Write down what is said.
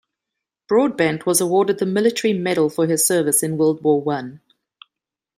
Broadbent was awarded the Military Medal for his service in World War I.